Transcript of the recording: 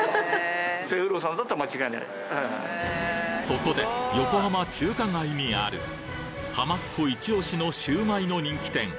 そこで横浜中華街にあるハマっ子イチオシのシュウマイの人気店